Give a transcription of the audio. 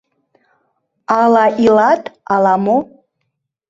Ала илат, ала-мо?..»